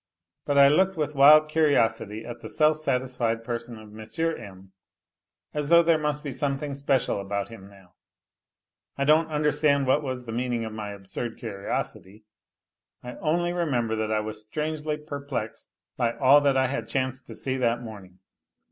But I looked with wild curiosity at the self satisfied person of M. M., as though there must be something special about him now. I don't under stand what was the meaning of my absurd curiosity. I only remember that I was strangely perplexed by all that I had chanced to see that morning.